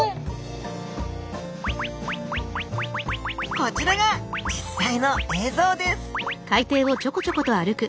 こちらが実際の映像です